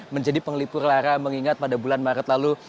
menjadi penglipur lara mengingat pada bulan maret lalu